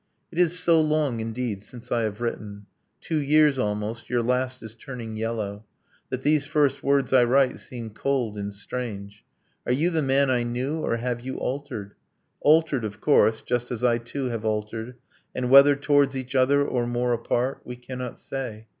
It is so long, indeed, since I have written, Two years, almost, your last is turning yellow, That these first words I write seem cold and strange. Are you the man I knew, or have you altered? Altered, of course just as I too have altered And whether towards each other, or more apart, We cannot say